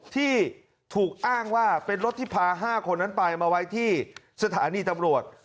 ที่ถูกอ้างว่าเป็นรถที่พา๕คนนั้นไปมาไว้ที่สถานีตำรวจ